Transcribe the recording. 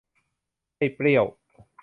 ไอ้เปรี้ยว